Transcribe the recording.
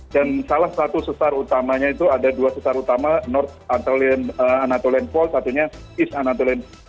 dan salah satu sesar utamanya itu ada dua sesar utama north anatolian fault satunya east anatolian